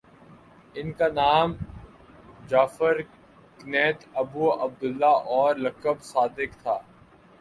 ان کا نام جعفر کنیت ابو عبد اللہ اور لقب صادق تھا